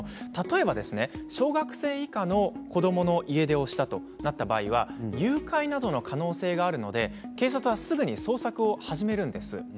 例えば小学生以下の子どもの家出は誘拐などの可能性があるので警察はすぐに捜索を始めるんです。